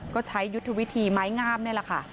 ก็ใช้ยุทธวิธีไม้งามนี่แหละค่ะ